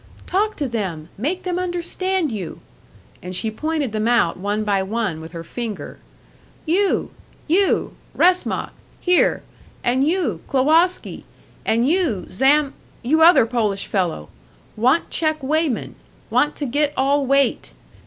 "Talk to them. Make them understand you!" And she pointed them out one by one with her finger: "You! You! Wresmak, here, and you, Klowoski, and you, Zam you other Polish fellow. Want check weighman. Want to get all weight.